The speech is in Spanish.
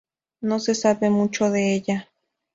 No se sabe mucho de ella.